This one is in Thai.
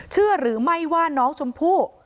เชื่อหรือไม่ว่าน้องชมพู่